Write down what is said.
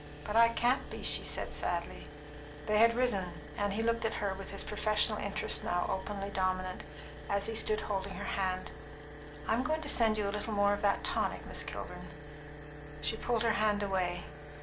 But I can't be," she said sadly. They had risen, and he looked at her with his professional interest now openly dominant, as he stood holding her hand. "I'm going to send you a little more of that tonic, Miss Kilburn." She pulled her hand away.